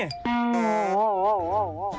ว้าวว้าว